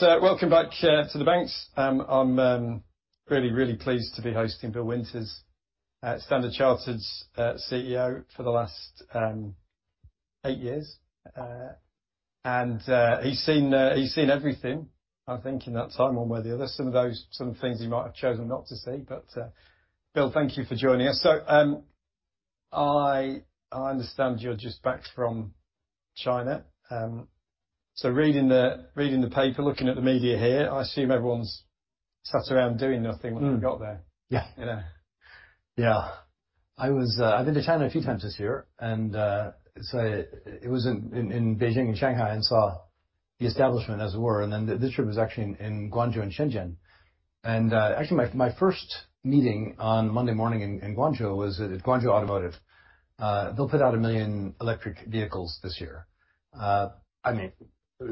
Welcome back to the banks. I'm really, really pleased to be hosting Bill Winters, Standard Chartered's CEO for the last eight years. He's seen everything, I think, in that time, one way or the other. Some things he might have chosen not to see, but Bill, thank you for joining us. I understand you're just back from China. Reading the paper, looking at the media here, I assume everyone's sat around doing nothing- Mm. when you got there. Yeah. You know? Yeah. I was... I've been to China a few times this year, and so it was in Beijing and Shanghai, and saw the establishment, as it were, and then this trip was actually in Guangzhou and Shenzhen. And actually, my first meeting on Monday morning in Guangzhou was at Guangzhou Automotive. They'll put out 1 million electric vehicles this year. I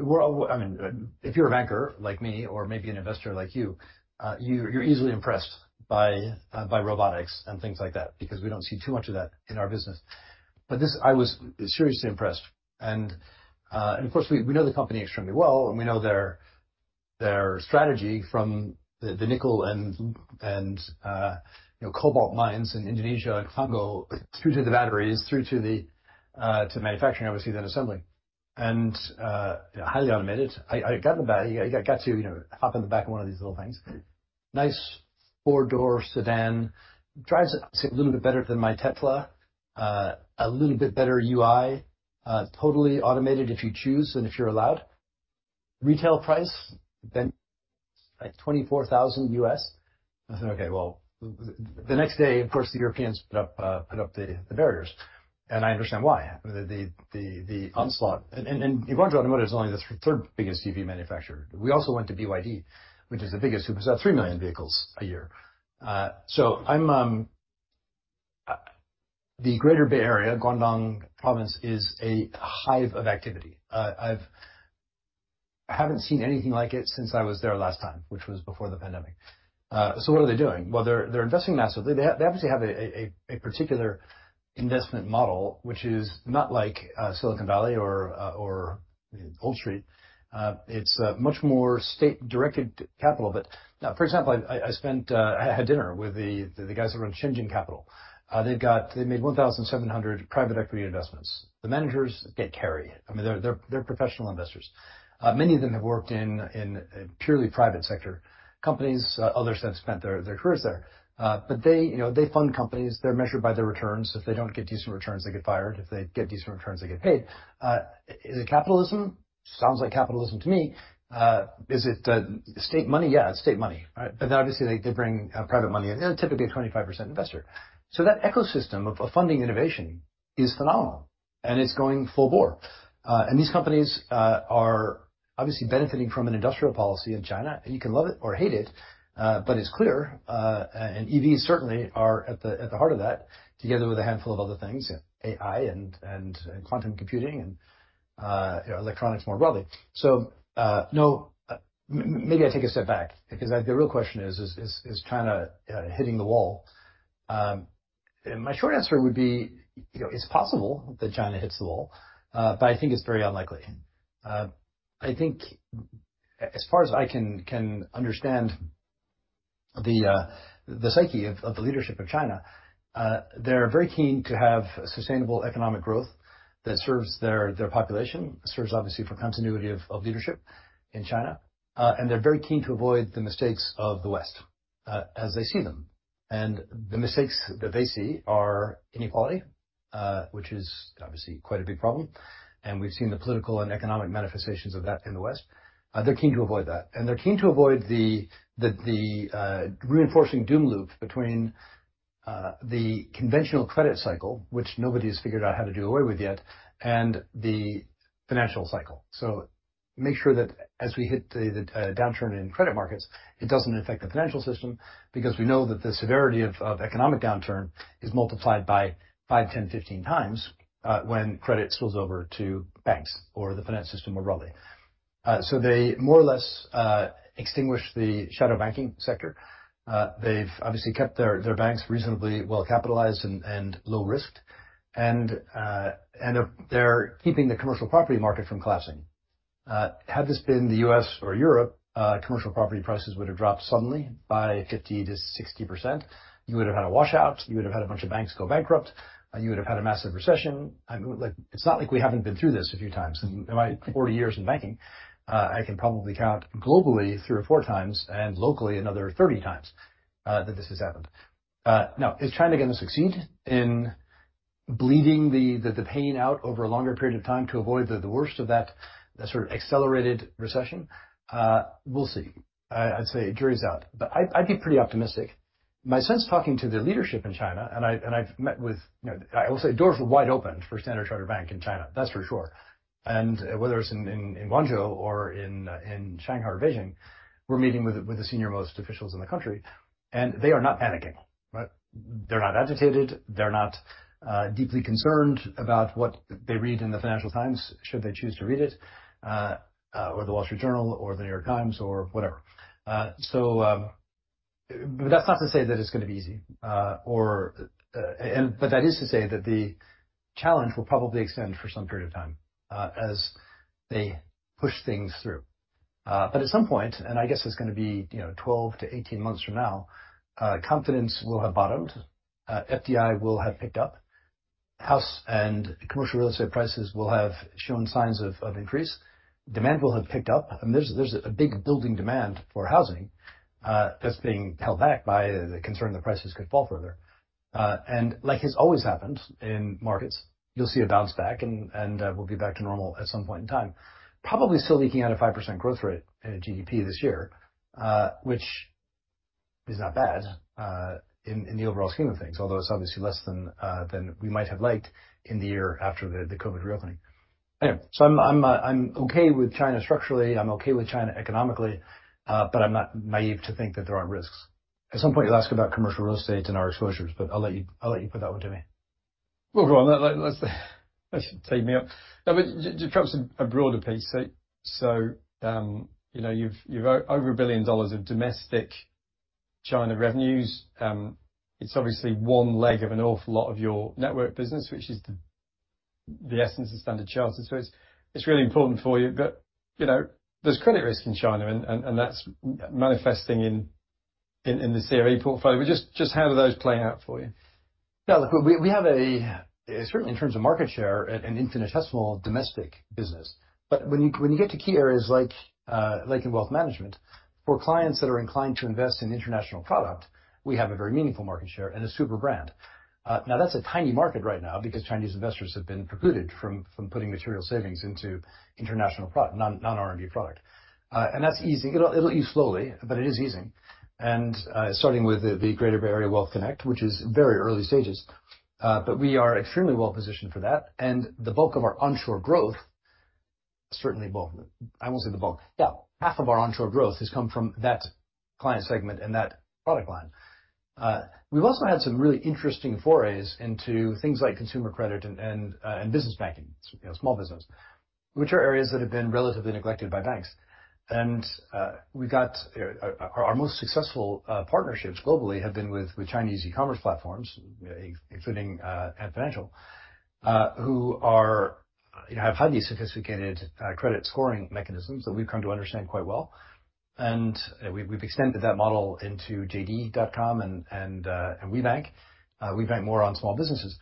mean, if you're a banker like me or maybe an investor like you, you're easily impressed by robotics and things like that, because we don't see too much of that in our business. But this, I was seriously impressed. And of course, we know the company extremely well, and we know their strategy from the nickel and, you know, cobalt mines in Indonesia and Congo, through to the batteries, through to the manufacturing, obviously, then assembly. Highly automated. I got in the back. I got to, you know, hop in the back of one of these little things. Nice four-door sedan, drives a little bit better than my Tesla, a little bit better UI, totally automated if you choose, and if you're allowed. Retail price, then, like, $24,000. I said, "Okay, well..." The next day, of course, the Europeans put up the barriers, and I understand why. I mean, the onslaught... And Guangzhou Automotive is only the third biggest EV manufacturer. We also went to BYD, which is the biggest, who puts out 3 million vehicles a year. I'm the Greater Bay Area, Guangdong Province, is a hive of activity. I haven't seen anything like it since I was there last time, which was before the pandemic. What are they doing? Well, they're investing massively. They obviously have a particular investment model, which is not like Silicon Valley or Wall Street. It's much more state-directed capital. For example, I spent, I had dinner with the guys around Shenzhen Capital. They've got—they made 1,700 private equity investments. The managers get carry. I mean, they're professional investors. Many of them have worked in purely private sector companies. Others have spent their careers there. But they, you know, they fund companies. They're measured by their returns. If they don't get decent returns, they get fired. If they get decent returns, they get paid. Is it capitalism? Sounds like capitalism to me. Is it state money? Yeah, it's state money, right? But then, obviously, they bring private money in, and typically a 25% investor. So that ecosystem of funding innovation is phenomenal, and it's going full bore. And these companies are obviously benefiting from an industrial policy in China, and you can love it or hate it, but it's clear, and EVs certainly are at the heart of that, together with a handful of other things, AI and quantum computing and, you know, electronics more broadly. So, no, maybe I take a step back because the real question is, is China hitting the wall? And my short answer would be, you know, it's possible that China hits the wall, but I think it's very unlikely. I think as far as I can understand the psyche of the leadership of China, they're very keen to have sustainable economic growth that serves their population, serves obviously, for continuity of leadership in China, and they're very keen to avoid the mistakes of the West, as they see them. And the mistakes that they see are inequality, which is obviously quite a big problem, and we've seen the political and economic manifestations of that in the West. They're keen to avoid that. And they're keen to avoid the reinforcing doom loop between the conventional credit cycle, which nobody has figured out how to do away with yet, and the financial cycle. So make sure that as we hit the downturn in credit markets, it doesn't affect the financial system, because we know that the severity of economic downturn is multiplied by 5, 10, 15 times when credit spills over to banks or the finance system more broadly. So they more or less extinguished the shadow banking sector. They've obviously kept their banks reasonably well capitalized and low-risked, and they're keeping the commercial property market from collapsing. Had this been the U.S. or Europe, commercial property prices would have dropped suddenly by 50%-60%. You would have had a washout, you would have had a bunch of banks go bankrupt, and you would have had a massive recession. I mean, like, it's not like we haven't been through this a few times. In my 40 years in banking, I can probably count globally 3 or 4 times, and locally, another 30 times, that this has happened. Now, is China going to succeed in bleeding the pain out over a longer period of time to avoid the worst of that sort of accelerated recession? We'll see. I'd say jury's out, but I'd be pretty optimistic. My sense talking to the leadership in China, and I've met with, you know... I will say, doors were wide open for Standard Chartered in China, that's for sure. And whether it's in Guangzhou or in Shanghai or Beijing, we're meeting with the senior-most officials in the country, and they are not panicking, right? They're not agitated, they're not deeply concerned about what they read in the Financial Times, should they choose to read it, or The Wall Street Journal, or The New York Times, or whatever. That's not to say that it's gonna be easy, or, and that is to say that the challenge will probably extend for some period of time, as they push things through. At some point, and I guess it's gonna be, you know, 12 to 18 months from now, confidence will have bottomed, FDI will have picked up, house and commercial real estate prices will have shown signs of increase. Demand will have picked up, and there's a big building demand for housing that's being held back by the concern that prices could fall further. And like has always happened in markets, you'll see a bounce back, and, and, we'll be back to normal at some point in time. Probably still leaking out a 5% growth rate in a GDP this year, which is not bad, in, in the overall scheme of things, although it's obviously less than, than we might have liked in the year after the, the COVID reopening. Anyway, so I'm, I'm, I'm okay with China structurally, I'm okay with China economically, but I'm not naive to think that there aren't risks. At some point, you'll ask about commercial real estate and our exposures, but I'll let you, I'll let you put that one to me. Well, go on. Let's, that should tee me up. No, but just perhaps a broader piece. So, you know, you've over $1 billion of domestic China revenues. It's obviously one leg of an awful lot of your network business, which is the essence of Standard Chartered, so it's really important for you. But, you know, there's credit risk in China, and that's manifesting in the CRA portfolio. But just how do those play out for you? Yeah, look, we have a, certainly in terms of market share, an infinitesimal domestic business. When you get to key areas like, like in wealth management, for clients that are inclined to invest in international product, we have a very meaningful market share and a super brand. Now, that's a tiny market right now because Chinese investors have been precluded from putting material savings into international product, non-RMB product. That's easing. It'll ease slowly, but it is easing, starting with the Greater Bay Area Wealth Connect, which is very early stages, but we are extremely well-positioned for that. The bulk of our onshore growth, certainly, well, I won't say the bulk... Yeah, half of our onshore growth has come from that client segment and that product line. We've also had some really interesting forays into things like consumer credit and, and business banking, you know, small business, which are areas that have been relatively neglected by banks. We've got our most successful partnerships globally have been with Chinese e-commerce platforms, including Ant Group, who are, you know, have highly sophisticated credit scoring mechanisms that we've come to understand quite well, and we've extended that model into JD.com and WeBank. WeBank more on small businesses.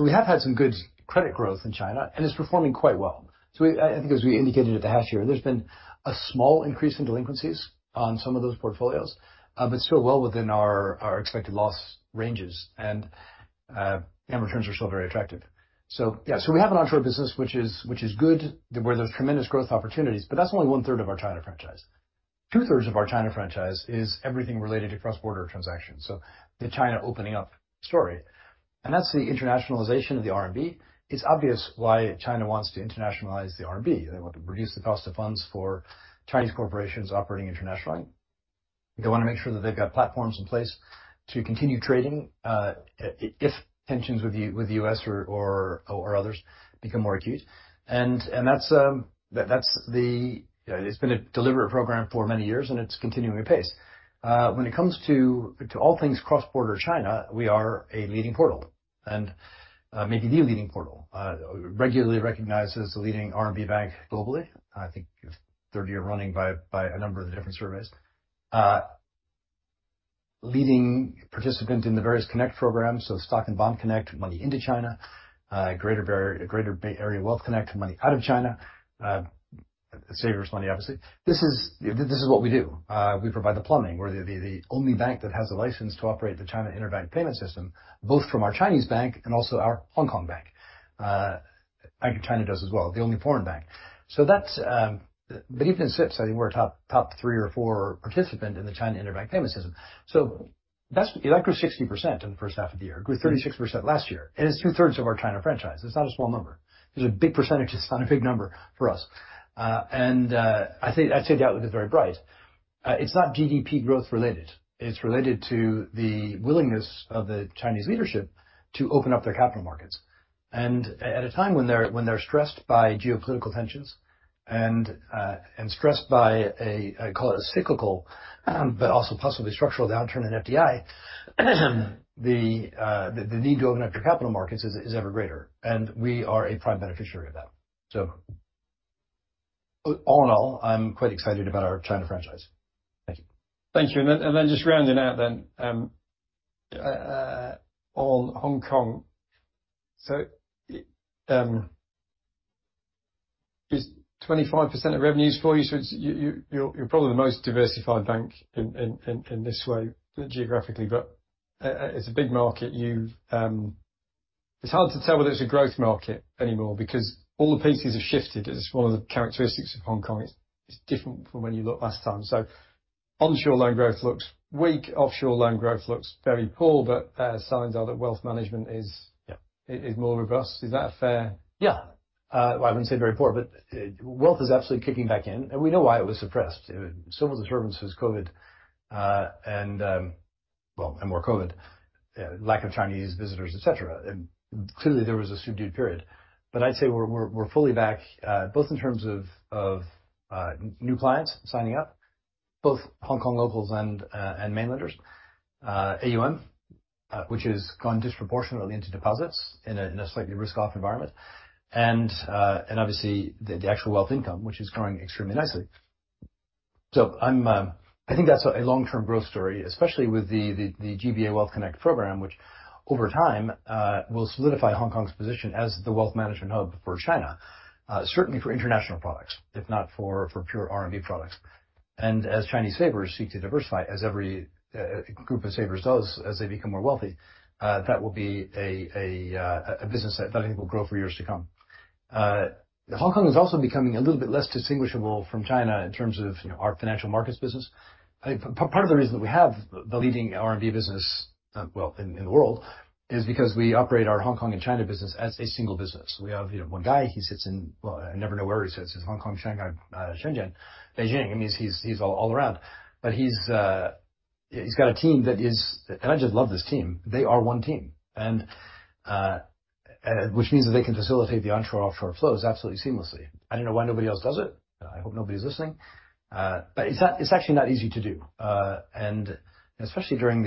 We have had some good credit growth in China, and it's performing quite well. I think, as we indicated at the half year, there's been a small increase in delinquencies on some of those portfolios, but still well within our expected loss ranges, and returns are still very attractive. Yeah, we have an onshore business, which is good, where there's tremendous growth opportunities, but that's only one-third of our China franchise. Two-thirds of our China franchise is everything related to cross-border transactions, so the China opening up story, and that's the internationalization of the RMB. It's obvious why China wants to internationalize the RMB. They want to reduce the cost of funds for Chinese corporations operating internationally. They wanna make sure that they've got platforms in place to continue trading, if tensions with the U.S. or others become more acute. It's been a deliberate program for many years, and it's continuing apace. When it comes to all things cross-border China, we are a leading portal and, maybe the leading portal. Regularly recognized as the leading RMB bank globally, I think third year running by a number of the different surveys. Leading participant in the various Connect programs, so Stock Connect and Bond Connect money into China, Greater Bay Area Wealth Connect, money out of China, savers money, obviously. This is what we do. We provide the plumbing. We're the only bank that has a license to operate the China Interbank Payment System, both from our Chinese bank and also our Hong Kong bank. Bank of China does as well, the only foreign bank. So that's... Even in SWIFT, I think we're a top three or four participant in the China Interbank Payment System. That grew 60% in the first half of the year, grew 36% last year, and it's two-thirds of our China franchise. It's not a small number. It's a big percentage. It's not a big number for us. I'd say the outlook is very bright. It's not GDP growth related. It's related to the willingness of the Chinese leadership to open up their capital markets. At a time when they're stressed by geopolitical tensions, and stressed by a, I call it a cyclical, but also possibly structural downturn in FDI, the need to open up your capital markets is ever greater, and we are a prime beneficiary of that. All in all, I'm quite excited about our China franchise. Thank you. Thank you. Then just rounding out on Hong Kong. So, it's 25% of revenues for you, so it's—you're probably the most diversified bank in this way geographically, but it's a big market. You've... It's hard to tell whether it's a growth market anymore because all the pieces have shifted. It's one of the characteristics of Hong Kong. It's different from when you looked last time. So onshore loan growth looks weak, offshore loan growth looks very poor, but signs are that wealth management is- Yeah. Is more robust. Is that fair? Yeah. Well, I wouldn't say very poor, but wealth is absolutely kicking back in, and we know why it was suppressed. Civil disturbance was COVID. And more COVID, lack of Chinese visitors, et cetera, and clearly, there was a subdued period. But I'd say we're fully back, both in terms of new clients signing up, both Hong Kong locals and mainlanders, AUM, which has gone disproportionately into deposits in a slightly risk-off environment, and obviously, the actual wealth income, which is growing extremely nicely. So I think that's a long-term growth story, especially with the GBA Wealth Connect program, which over time will solidify Hong Kong's position as the wealth management hub for China. Certainly for international products, if not for, for pure RMB products. And as Chinese savers seek to diversify, as every, you know, group of savers does, as they become more wealthy, that will be a, a, a business that I think will grow for years to come. Hong Kong is also becoming a little bit less distinguishable from China in terms of, you know, our financial markets business. I-- Part of the reason that we have the leading RMB business, well, in, in the world, is because we operate our Hong Kong and China business as a single business. We have, you know, one guy, he sits in-- Well, I never know where he sits, in Hong Kong, Shanghai, Shenzhen, Beijing. I mean, he's, he's all around. But he's, he's got a team that is... And I just love this team. They are one team, which means that they can facilitate the onshore, offshore flows absolutely seamlessly. I don't know why nobody else does it, and I hope nobody's listening. It's actually not easy to do. Especially during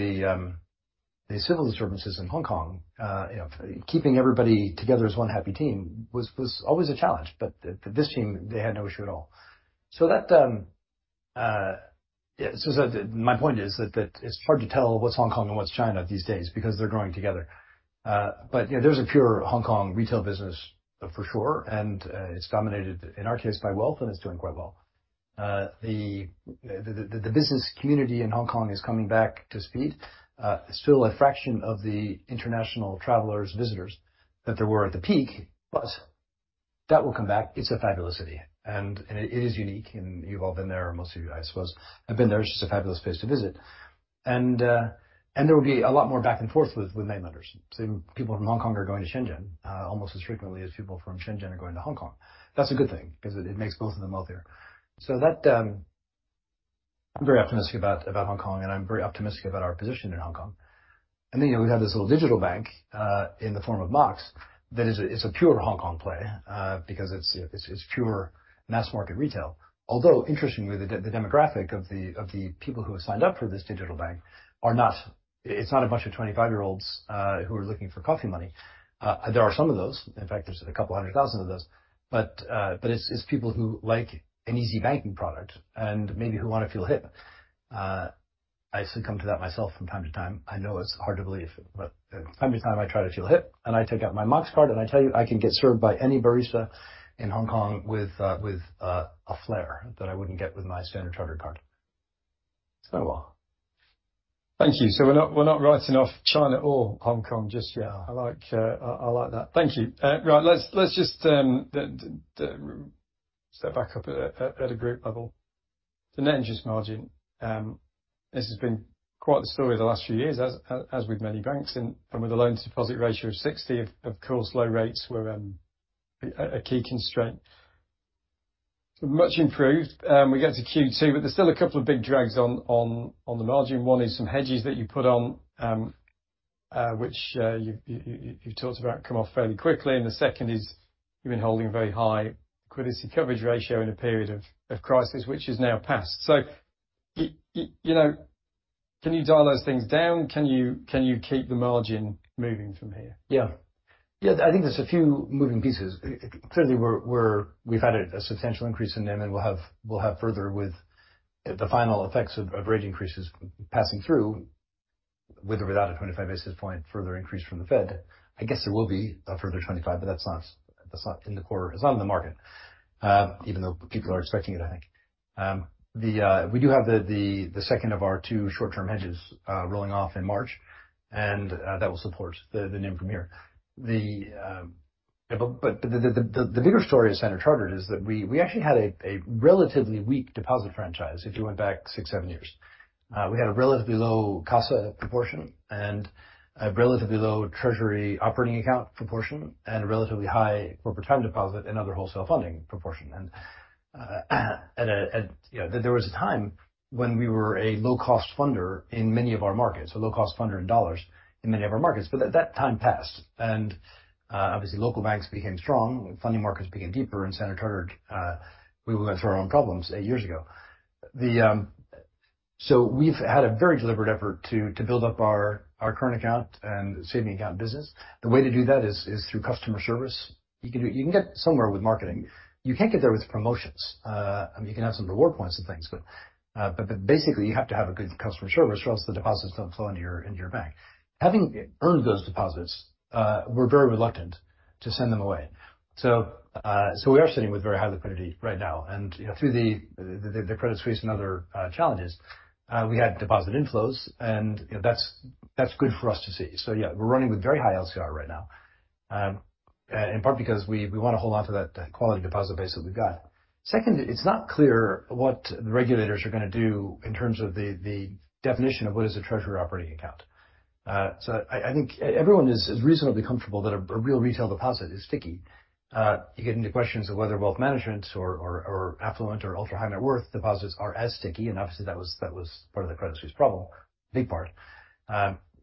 the civil disturbances in Hong Kong, you know, keeping everybody together as one happy team was always a challenge, but this team, they had no issue at all. My point is that it's hard to tell what's Hong Kong and what's China these days because they're growing together. Yeah, there's a pure Hong Kong retail business for sure, and it's dominated, in our case, by wealth, and it's doing quite well. The business community in Hong Kong is coming back to speed. Still a fraction of the international travelers, visitors that there were at the peak, but that will come back. It's a fabulous city, and it is unique, and you've all been there, or most of you, I suppose, have been there. It's just a fabulous place to visit. And, and there will be a lot more back and forth with, with mainlanders. So people from Hong Kong are going to Shenzhen, almost as frequently as people from Shenzhen are going to Hong Kong. That's a good thing because it, it makes both of them wealthier. So that... I'm very optimistic about, about Hong Kong, and I'm very optimistic about our position in Hong Kong. And then, you know, we have this little digital bank in the form of Mox, that is a, it's a pure Hong Kong play, because it's pure mass market retail. Although, interestingly, the demographic of the people who have signed up for this digital bank are not. It's not a bunch of 25-year-olds who are looking for coffee money. There are some of those. In fact, there's 200,000 of those. But, it's people who like an easy banking product and maybe who wanna feel hip. I succumb to that myself from time to time. I know it's hard to believe, but from time to time, I try to feel hip, and I take out my Mox card, and I tell you, I can get served by any barista in Hong Kong with a flair that I wouldn't get with my Standard Chartered card, so well. Thank you. So we're not writing off China or Hong Kong just yet. I like, I like that. Thank you. Right, let's just step back up at a group level. The net interest margin, this has been quite the story of the last few years, as with many banks, and with the loan-to-deposit ratio of 60, of course, low rates were a key constraint. Much improved, we get to Q2, but there's still a couple of big drags on the margin. One is some hedges that you put on, which you talked about come off fairly quickly. And the second is, you've been holding a very high liquidity coverage ratio in a period of crisis, which has now passed. So, you know, can you dial those things down? Can you, can you keep the margin moving from here? Yeah. Yeah, I think there's a few moving pieces. Clearly, we're, we're-- we've had a, a substantial increase in NIM, and we'll have, we'll have further with the final effects of, of rate increases passing through, with or without a 25 basis point further increase from the Fed. I guess there will be a further 25, but that's not, that's not in the quarter. It's not in the market, even though people are expecting it, I think. We do have the, the, the second of our two short-term hedges rolling off in March, and that will support the NIM from here. The, the bigger story at Standard Chartered is that we, we actually had a, a relatively weak deposit franchise if you went back six, seven years. We had a relatively low CASA proportion, and a relatively low treasury operating account proportion, and a relatively high corporate term deposit, and other wholesale funding proportion. At, you know, there was a time when we were a low-cost funder in many of our markets, a low-cost funder in dollars in many of our markets, but that time passed, and obviously, local banks became strong, funding markets became deeper, and Standard Chartered, we went through our own problems eight years ago. We've had a very deliberate effort to build up our current account and saving account business. The way to do that is through customer service. You can get somewhere with marketing. You can't get there with promotions. I mean, you can have some reward points and things, but basically, you have to have a good customer service, or else the deposits don't flow into your bank. Having earned those deposits, we're very reluctant to send them away. So we are sitting with very high liquidity right now, and you know, through the credit squeeze and other challenges, we had deposit inflows, and you know, that's good for us to see. So yeah, we're running with very high LCR right now, and in part because we wanna hold on to that quality deposit base that we've got. Second, it's not clear what the regulators are gonna do in terms of the definition of what is a treasury operating account. I think everyone is reasonably comfortable that a real retail deposit is sticky. You get into questions of whether wealth management or affluent or ultra-high net worth deposits are as sticky, and obviously, that was part of the credit squeeze problem, big part.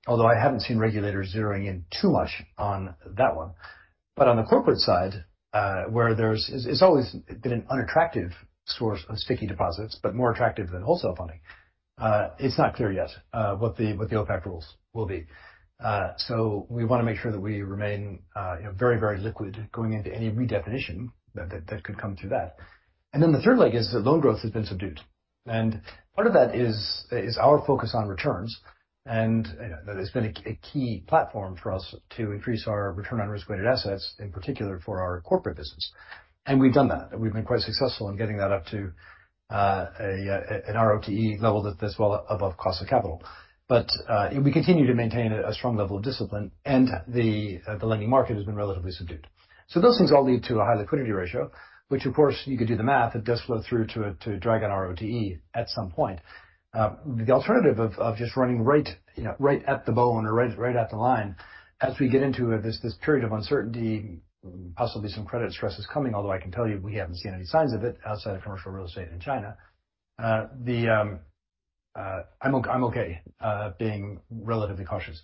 Although I haven't seen regulators zeroing in too much on that one. On the corporate side, where it's always been an unattractive source of sticky deposits, but more attractive than wholesale funding. It's not clear yet what the OpAc rules will be. We wanna make sure that we remain, you know, very, very liquid going into any redefinition that could come through that. The third leg is that loan growth has been subdued. Part of that is our focus on returns, and, you know, that has been a key platform for us to increase our return on risk-weighted assets, in particular for our corporate business. We've done that. We've been quite successful in getting that up to an ROTE level that's well above cost of capital. But and we continue to maintain a strong level of discipline, and the lending market has been relatively subdued. So those things all lead to a high liquidity ratio, which of course, you could do the math. It does flow through to drag on ROTE at some point. The alternative of just running right, you know, right at the bone or right at the line as we get into this period of uncertainty, possibly some credit stress is coming, although I can tell you, we haven't seen any signs of it outside of commercial real estate in China. I'm okay being relatively cautious.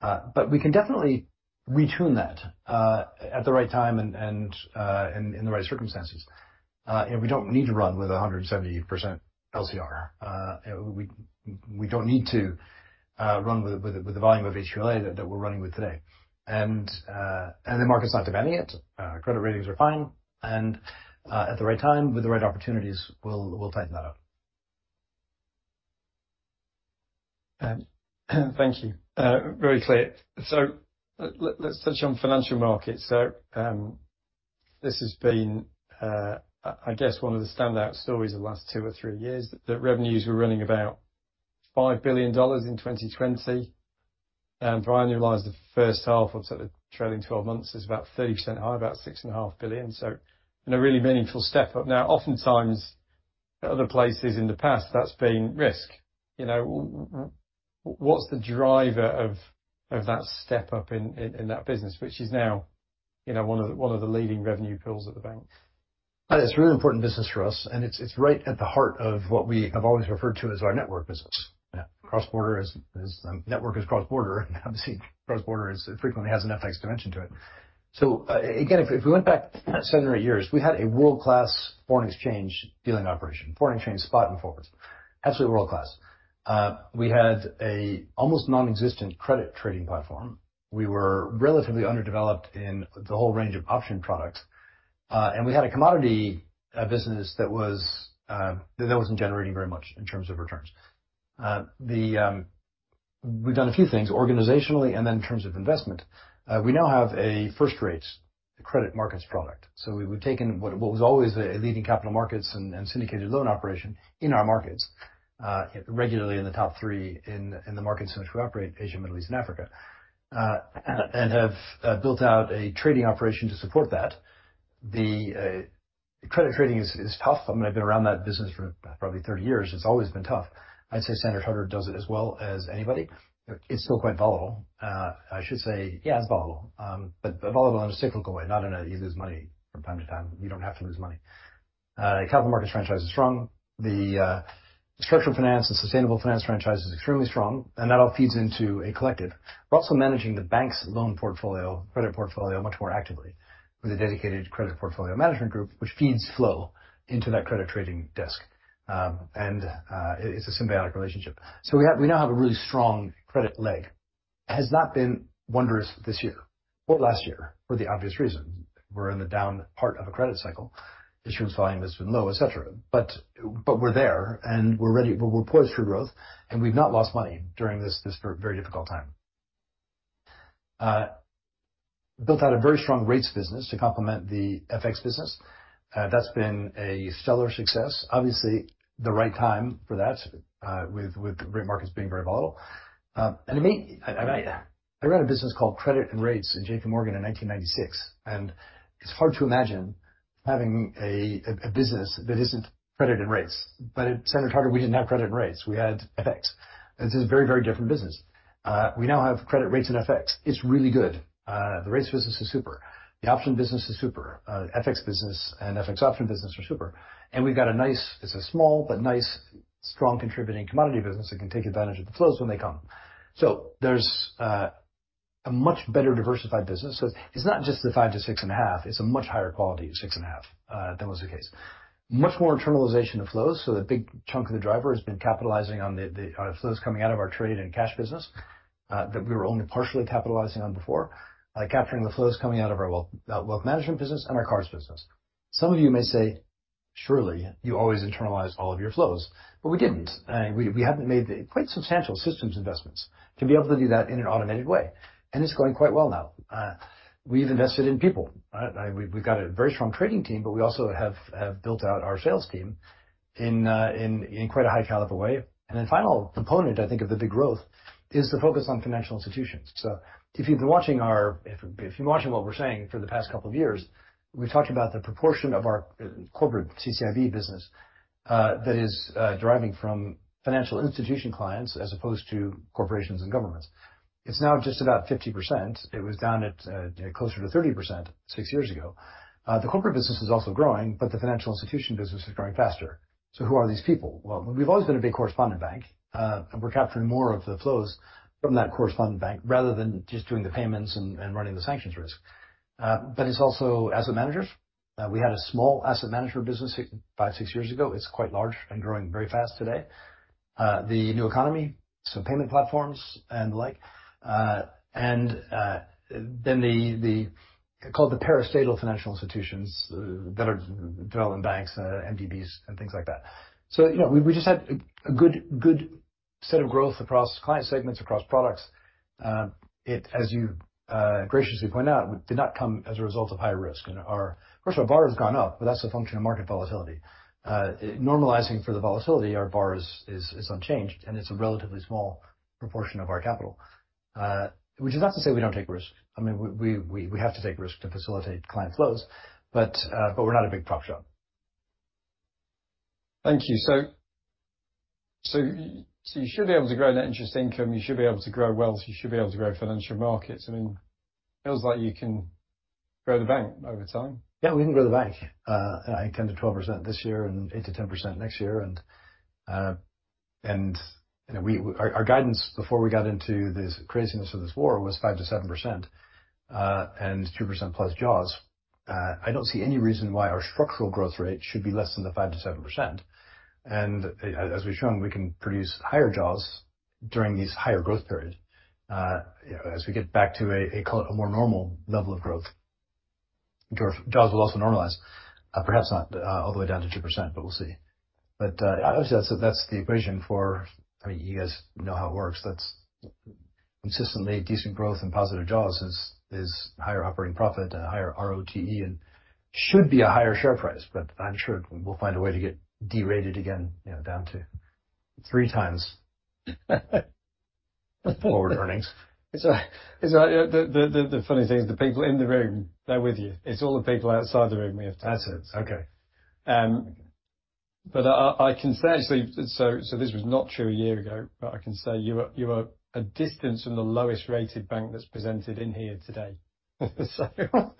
But we can definitely retune that at the right time and in the right circumstances. And we don't need to run with 170% LCR. We don't need to run with the volume of HQLA that we're running with today. And the market's not demanding it. Credit ratings are fine, and at the right time, with the right opportunities, we'll tighten that up. Thank you. Very clear. Let's touch on financial markets. This has been, I guess, one of the standout stories of the last two or three years, that revenues were running about $5 billion in 2020. If you annualize the first half of, sort of, the trailing twelve months, it's about 30% higher, about $6.5 billion. In a really meaningful step up. Now, oftentimes, other places in the past, that's been risk. You know, what's the driver of that step up in that business, which is now, you know, one of the leading revenue pillars at the bank? It's a really important business for us, and it's right at the heart of what we have always referred to as our network business. Yeah. Cross-border is network is cross-border, and obviously, cross-border frequently has an FX dimension to it. So, again, if we went back seven or eight years, we had a world-class foreign exchange dealing operation, foreign exchange spot and forwards. Absolutely world-class. We had an almost non-existent credit trading platform. We were relatively underdeveloped in the whole range of option products. And we had a commodity business that wasn't generating very much in terms of returns. We've done a few things organizationally, and then in terms of investment. We now have a first-rate credit markets product. So we've taken what was always a leading capital markets and syndicated loan operation in our markets, regularly in the top 3 in the markets in which we operate, Asia, Middle East, and Africa. And have built out a trading operation to support that. The credit trading is tough. I mean, I've been around that business for probably 30 years. It's always been tough. I'd say Standard Chartered does it as well as anybody. It's still quite volatile. I should say, yeah, it's volatile. But volatile in a cyclical way, not in a you lose money from time to time. You don't have to lose money. Capital markets franchise is strong. The structural finance and sustainable finance franchise is extremely strong, and that all feeds into a collective. We're also managing the bank's loan portfolio, credit portfolio, much more actively with a dedicated credit portfolio management group, which feeds flow into that credit trading desk. And, it's a symbiotic relationship. So we have—we now have a really strong credit leg. It has not been wondrous this year or last year for the obvious reason. We're in the down part of a credit cycle. Issuance volume has been low, et cetera. But, but we're there, and we're ready—we're poised for growth, and we've not lost money during this, this very difficult time. Built out a very strong rates business to complement the FX business. That's been a stellar success. Obviously, the right time for that, with, with markets being very volatile. To me, I ran a business called Credit and Rates in JP Morgan in 1996, and it's hard to imagine having a business that isn't credit and rates. But at Standard Chartered, we didn't have credit and rates, we had FX. This is a very, very different business. We now have credit rates and FX. It's really good. The rates business is super. The option business is super. FX business and FX option business are super, and we've got a nice. It's a small, but nice, strong, contributing commodity business that can take advantage of the flows when they come. So there's a much better diversified business. So it's not just the 5-6.5, it's a much higher quality of 6.5 than was the case. Much more internalization of flows, so the big chunk of the driver has been capitalizing on the flows coming out of our trade and cash business that we were only partially capitalizing on before. Capturing the flows coming out of our wealth management business and our cards business. Some of you may say, "Surely, you always internalize all of your flows," but we didn't. We haven't made the quite substantial systems investments to be able to do that in an automated way, and it's going quite well now. We've invested in people. We've got a very strong trading team, but we also have built out our sales team in quite a high caliber way. Then final component, I think, of the big growth is the focus on financial institutions. So if you've been watching our - if you're watching what we're saying for the past couple of years, we've talked about the proportion of our corporate CCIB business, that is, deriving from financial institution clients, as opposed to corporations and governments. It's now just about 50%. It was down at, closer to 30% six years ago. The corporate business is also growing, but the financial institution business is growing faster. So who are these people? Well, we've always been a big correspondent bank, and we're capturing more of the flows from that correspondent bank, rather than just doing the payments and running the sanctions risk. But it's also asset managers. We had a small asset management business five, six years ago. It's quite large and growing very fast today. The new economy, so payment platforms and the like. And then the called the parastatal financial institutions that are development banks, MDBs, and things like that. So, you know, we just had a good set of growth across client segments, across products. It—as you graciously pointed out, did not come as a result of high risk. And our—of course, our bar has gone up, but that's a function of market volatility. Normalizing for the volatility, our bar is unchanged, and it's a relatively small proportion of our capital. Which is not to say we don't take risks. I mean, we have to take risks to facilitate client flows, but we're not a big prop shop. Thank you. So, you should be able to grow net interest income, you should be able to grow wealth, you should be able to grow financial markets. I mean, feels like you can grow the bank over time. Yeah, we can grow the bank at 10%-12% this year and 8%-10% next year. And, you know, our guidance before we got into this craziness of this war was 5%-7%, and 2% plus jaws. I don't see any reason why our structural growth rate should be less than the 5%-7%. And as we've shown, we can produce higher jaws during these higher growth periods. As we get back to a call it a more normal level of growth, jaws will also normalize. Perhaps not all the way down to 2%, but we'll see. But obviously, that's the equation for... I mean, you guys know how it works. That's consistently decent growth and positive jaws is, is higher operating profit and a higher ROTE, and should be a higher share price, but I'm sure we'll find a way to get derated again, you know, down to 3x forward earnings. It's like, the funny thing is the people in the room, they're with you. It's all the people outside the room we have to- That's it. Okay. But I can say, so this was not true a year ago, but I can say you are a distance from the lowest rated bank that's presented in here today. So other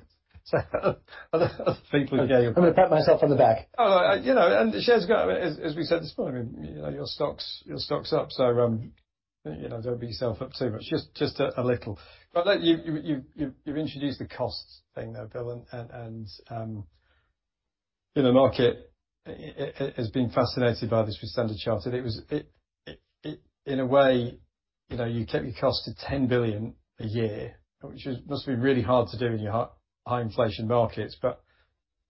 people- I'm gonna pat myself on the back. Oh, you know, and the share's got... As we said this morning, you know, your stock's, your stock's up, so, you know, don't beat yourself up too much. Just, just a little. You, you've introduced the cost thing, though, Bill, and, you know, market has been fascinated by this with Standard Chartered. It was, it, in a way, you know, you kept your cost to $10 billion a year, which must be really hard to do in your high, high inflation markets, but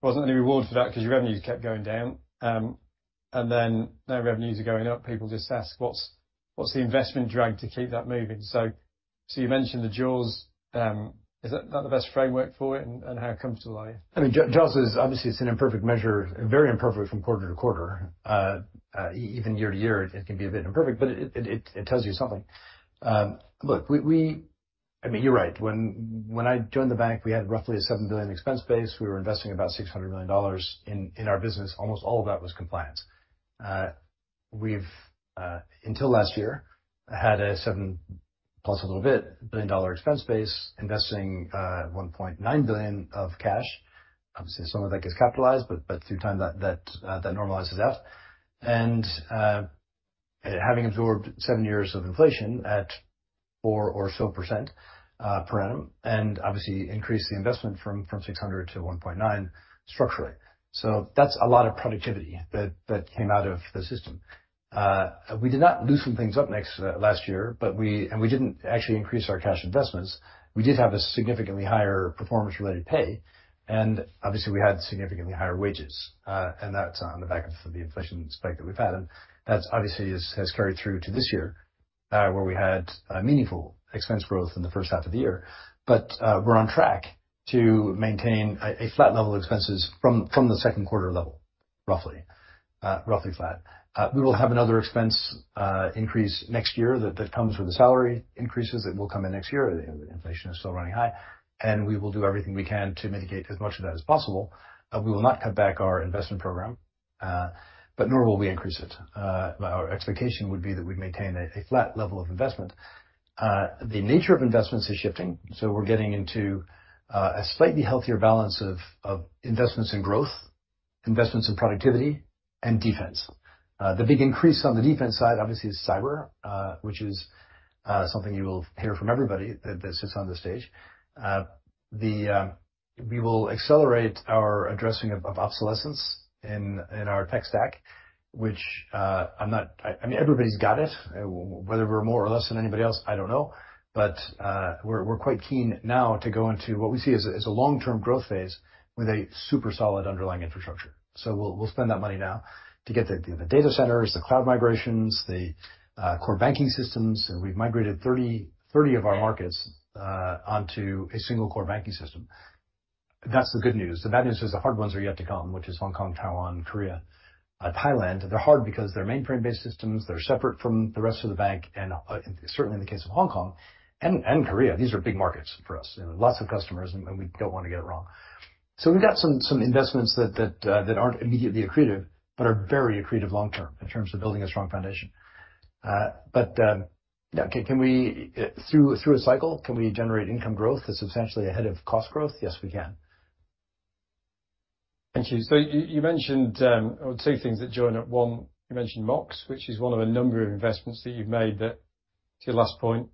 wasn't any reward for that because your revenues kept going down. You know, and then now revenues are going up, people just ask: What's, what's the investment drag to keep that moving? You mentioned the jaws, is that not the best framework for it and how it comes to life? I mean, jaws is obviously, it's an imperfect measure, very imperfect from quarter to quarter. Even year to year, it can be a bit imperfect, but it tells you something. I mean, you're right. When I joined the bank, we had roughly a $7 billion expense base. We were investing about $600 million in our business. Almost all of that was compliance. We've, until last year, had a $7 billion, plus a little bit, expense base, investing $1.9 billion of cash. Obviously, some of that gets capitalized, but through time, that normalizes out. Having absorbed seven years of inflation at 4% or so per annum, and obviously increased the investment from $600 million to $1.9 billion structurally. That's a lot of productivity that came out of the system. We did not loosen things up last year, but we didn't actually increase our cash investments. We did have a significantly higher performance-related pay, and obviously, we had significantly higher wages, and that's on the back of the inflation spike that we've had. That's obviously carried through to this year, where we had a meaningful expense growth in the first half of the year. We're on track to maintain a flat level of expenses from the second quarter level, roughly. Roughly flat. We will have another expense increase next year that comes with the salary increases that will come in next year. Inflation is still running high, and we will do everything we can to mitigate as much of that as possible. We will not cut back our investment program, but nor will we increase it. Our expectation would be that we maintain a flat level of investment. The nature of investments is shifting, so we're getting into a slightly healthier balance of investments in growth, investments in productivity, and defense. The big increase on the defense side, obviously, is cyber, which is something you will hear from everybody that sits on the stage. We will accelerate our addressing of obsolescence in our tech stack, which, I mean, everybody's got it. Whether we're more or less than anybody else, I don't know. But, we're, we're quite keen now to go into what we see as a, as a long-term growth phase with a super solid underlying infrastructure. So we'll, we'll spend that money now to get the, the data centers, the cloud migrations, the core banking systems. We've migrated 30, 30 of our markets onto a single core banking system. That's the good news. The bad news is the hard ones are yet to come, which is Hong Kong, Taiwan, Korea, Thailand. They're hard because they're mainframe-based systems. They're separate from the rest of the bank, and certainly in the case of Hong Kong and Korea, these are big markets for us. Lots of customers, and we don't want to get it wrong. So we've got some investments that aren't immediately accretive, but are very accretive long term in terms of building a strong foundation. Yeah, can we, through a cycle, generate income growth that's substantially ahead of cost growth? Yes, we can. Thank you. So you mentioned, well, two things that join up. One, you mentioned Mox, which is one of a number of investments that you've made, that to your last point,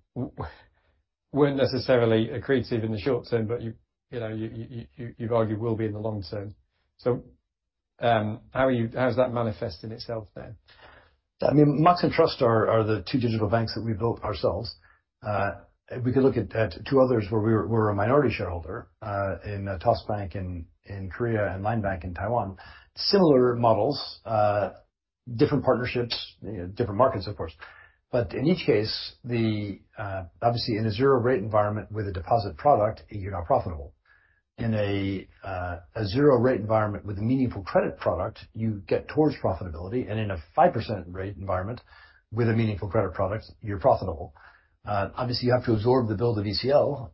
weren't necessarily accretive in the short term, but you know, you've argued will be in the long term. So, how are you--how's that manifesting itself then? I mean, Mox and Trust are the two digital banks that we built ourselves. We can look at two others where we're a minority shareholder in Toss Bank in Korea and LINE Bank in Taiwan. Similar models, different partnerships, you know, different markets, of course. But in each case, obviously, in a zero rate environment with a deposit product, you're not profitable. In a zero rate environment with a meaningful credit product, you get towards profitability, and in a 5% rate environment with a meaningful credit product, you're profitable. Obviously, you have to absorb the build of ECL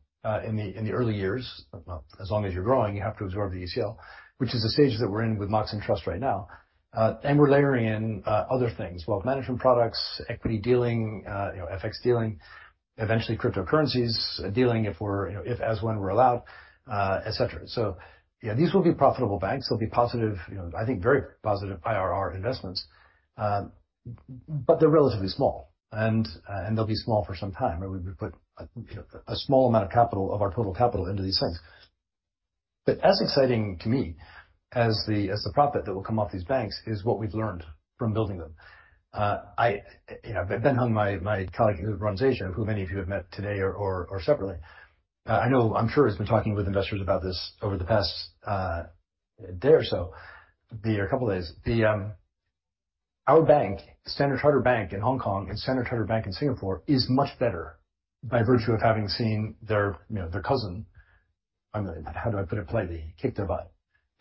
in the early years. Well, as long as you're growing, you have to absorb the ECL, which is the stage that we're in with Mox and Trust right now. And we're layering in other things, wealth management products, equity dealing, you know, FX dealing, eventually, cryptocurrencies dealing, if we're, you know, if as when we're allowed, et cetera. Yeah, these will be profitable banks. They'll be positive, you know, I think very positive IRR investments. They're relatively small, and they'll be small for some time, and we put, you know, a small amount of capital, of our total capital into these banks. As exciting to me as the profit that will come off these banks, is what we've learned from building them. I-- You know, Ben Hung, my colleague, who runs Asia, who many of you have met today or separately, I know-- I'm sure he's been talking with investors about this over the past day or so, the... A couple of days. The, our bank, Standard Chartered Bank in Hong Kong and Standard Chartered Bank in Singapore, is much better by virtue of having seen their, you know, their cousin. I mean, how do I put it politely? Kick their butt.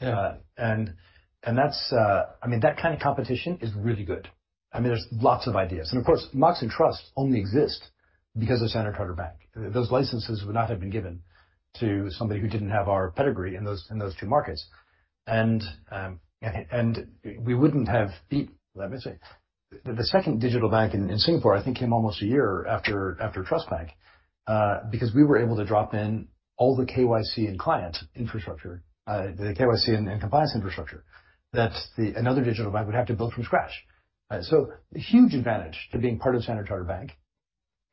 Yeah. I mean, that kind of competition is really good. I mean, there's lots of ideas. Of course, Mox and Trust only exist because of Standard Chartered Bank. Those licenses would not have been given to somebody who didn't have our pedigree in those two markets. I mean, we wouldn't have beat-- Let me say, the second digital bank in Singapore, I think, came almost a year after Trust Bank. I mean, we were able to drop in all the KYC and client infrastructure, the KYC and compliance infrastructure, that another digital bank would have to build from scratch. Huge advantage to being part of Standard Chartered Bank.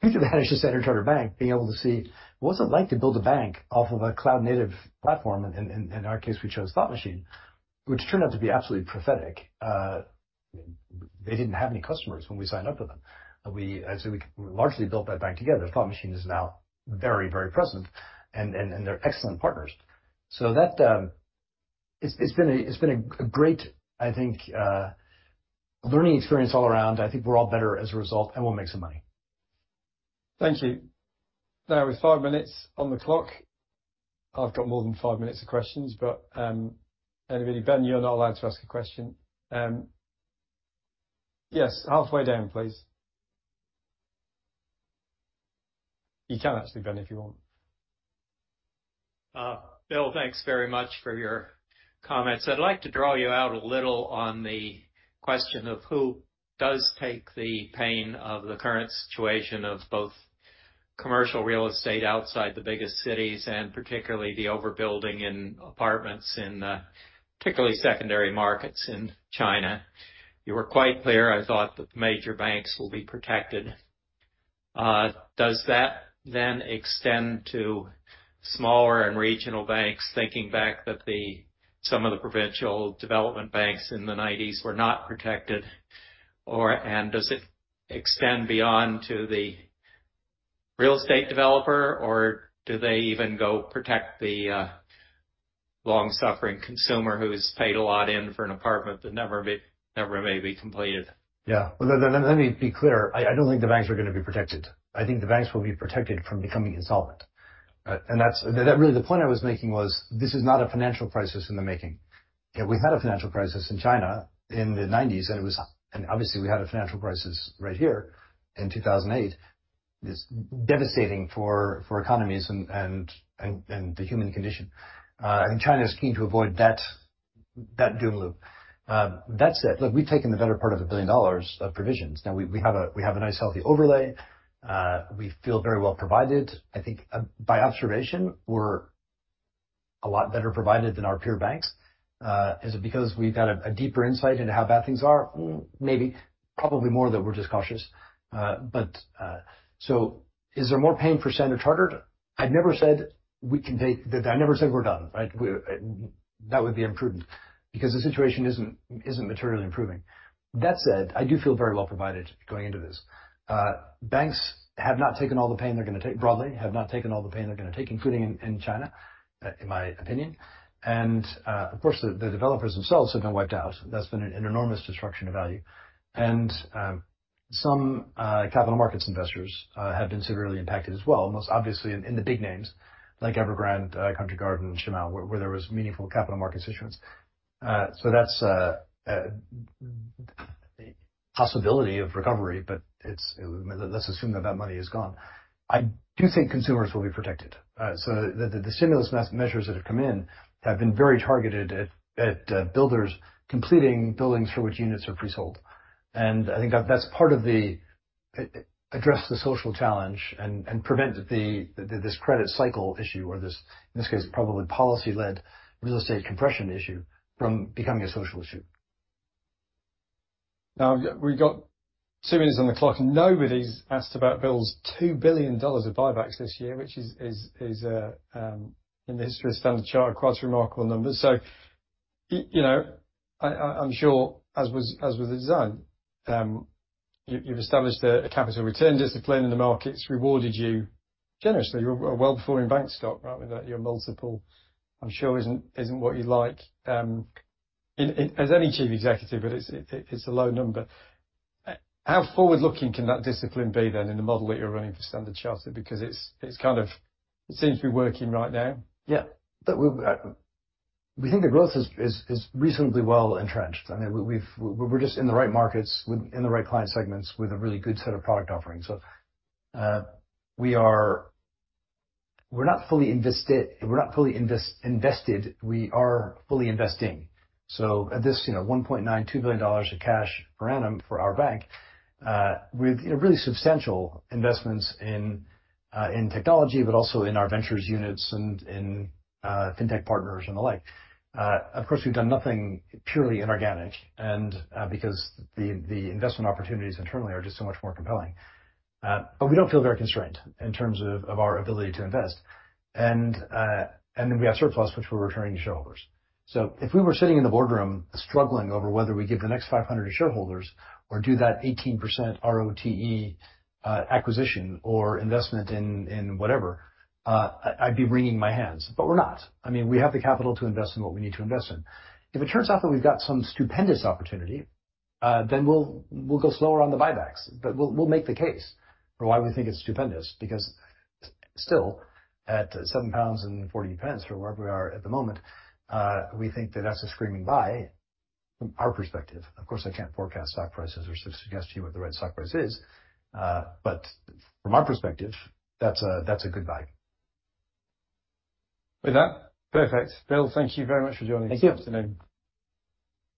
Huge advantage to Standard Chartered Bank, being able to see what's it like to build a bank off of a cloud-native platform. In our case, we chose Thought Machine, which turned out to be absolutely prophetic. They didn't have any customers when we signed up with them. As we largely built that bank together, Thought Machine is now very, very present, and they're excellent partners. So that, it's been a great, I think, learning experience all around. I think we're all better as a result, and we'll make some money. Thank you. Now, with five minutes on the clock, I've got more than five minutes of questions, but, anybody, Ben, you're not allowed to ask a question. Yes, halfway down, please. You can actually, Ben, if you want. Bill, thanks very much for your comments. I'd like to draw you out a little on the question of: Who does take the pain of the current situation of both commercial real estate outside the biggest cities, and particularly the overbuilding in apartments in particularly secondary markets in China? You were quite clear, I thought, that the major banks will be protected. Does that then extend to smaller and regional banks, thinking back that some of the provincial development banks in the nineties were not protected, or... And does it extend beyond to the real estate developer, or do they even go protect the long-suffering consumer who's paid a lot in for an apartment that never may be completed? Yeah. Well, let me be clear. I don't think the banks are gonna be protected. I think the banks will be protected from becoming insolvent. And that's—that really, the point I was making was, this is not a financial crisis in the making. Yeah, we had a financial crisis in China in the nineties, and it was—and obviously, we had a financial crisis right here in 2008. It's devastating for economies and the human condition. And China is keen to avoid that doom loop. That said, look, we've taken the better part of $1 billion of provisions. Now, we have a nice, healthy overlay. We feel very well provided. I think, by observation, we're a lot better provided than our peer banks. Is it because we've had a deeper insight into how bad things are? Maybe. Probably more that we're just cautious. So is there more pain for Standard Chartered? I've never said we can take the-- I never said we're done, right? We're-- That would be imprudent, because the situation isn't, isn't materially improving. That said, I do feel very well provided going into this. Banks have not taken all the pain they're gonna take-- broadly, have not taken all the pain they're gonna take, including in China, in my opinion. Of course, the developers themselves have been wiped out. That's been an enormous destruction of value. Some capital markets investors have been severely impacted as well, most obviously in the big names like Evergrande, Country Garden, and Shimao, where there was meaningful capital markets issuance. So that's possibility of recovery, but it's... Let's assume that that money is gone. I do think consumers will be protected. So the stimulus measures that have come in have been very targeted at builders completing buildings for which units are pre-sold. And I think that's part of address the social challenge and prevent this credit cycle issue or this, in this case, probably policy-led real estate compression issue from becoming a social issue. Now, we've got 2 minutes on the clock. Nobody's asked about Bill's $2 billion of buybacks this year, which is in the history of Standard Chartered, quite a remarkable number. So you know, I'm sure as was designed, you've established a capital return discipline, and the market's rewarded you generously. You're a well-performing bank stock, right? With that, your multiple, I'm sure isn't what you'd like, as any chief executive, but it's a low number. How forward-looking can that discipline be then in the model that you're running for Standard Chartered? Because it kind of seems to be working right now. Yeah. We've, we think the growth is, is, is reasonably well entrenched. I mean, we've, we're just in the right markets, in the right client segments, with a really good set of product offerings. We are, we're not fully invested, we're not fully invested, we are fully investing. At this, you know, $1.92 billion of cash per annum for our bank, with, you know, really substantial investments in technology, but also in our ventures units and in fintech partners and the like. Of course, we've done nothing purely inorganic, because the investment opportunities internally are just so much more compelling. We don't feel very constrained in terms of our ability to invest. Then we have surplus, which we're returning to shareholders. If we were sitting in the boardroom struggling over whether we give the next 500 to shareholders or do that 18% ROTE acquisition or investment in, in whatever, I'd be wringing my hands, but we're not. I mean, we have the capital to invest in what we need to invest in. If it turns out that we've got some stupendous opportunity, then we'll go slower on the buybacks, but we'll make the case for why we think it's stupendous. Because still, at 7.40 pounds, or wherever we are at the moment, we think that that's a screaming buy from our perspective. Of course, I can't forecast stock prices or suggest to you what the right stock price is, but from our perspective, that's a good buy. With that, perfect. Bill, thank you very much for joining us this afternoon.